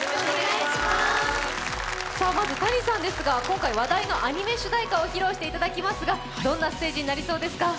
まずＴａｎｉさんですが今回話題のアニメ主題歌を披露していただきますがどんなステージになりそうですか？